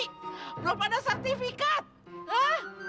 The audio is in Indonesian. belum ada sertifikat hah